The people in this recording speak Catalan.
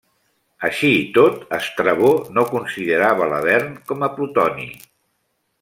Així i tot, Estrabó no considerava l'Avern com a plutoni.